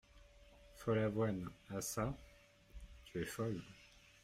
Follavoine Ah çà ! tu es folle ?